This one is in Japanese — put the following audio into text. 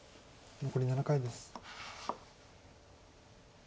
残り７回です。